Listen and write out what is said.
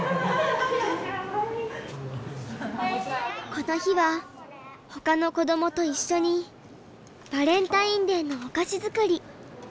この日はほかの子どもと一緒にバレンタインデーのお菓子作り。